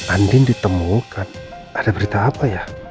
andin ditemukan ada berita apa ya